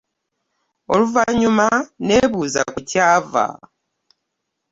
Oluvannyuma nneebuuza kwe kyava.